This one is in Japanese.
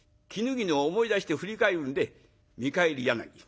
ぎぬを思い出して振り返るんで見返り柳。